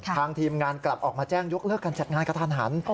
ทีมงานกลับออกมาแจ้งยกเลิกการจัดงานกระทันหัน